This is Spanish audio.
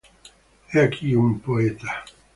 He aquí un poeta.